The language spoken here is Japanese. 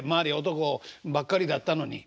男ばっかりだったのに。